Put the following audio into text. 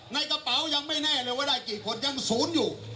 ในกระเป๋ายังไม่แน่เลยว่าได้กี่คนยังศูนย์อยู่